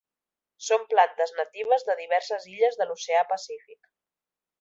Són plantes natives de diverses illes de l'Oceà Pacífic.